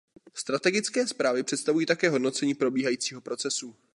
Strategické zprávy představují také hodnocení probíhajícího procesu.